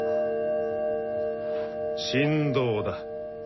振動だ。